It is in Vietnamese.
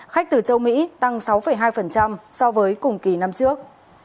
khách từ châu mỹ tăng sáu hai so với cùng kỳ năm trước